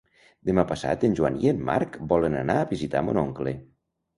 Demà passat en Joan i en Marc volen anar a visitar mon oncle.